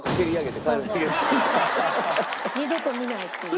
二度と見ないっていう。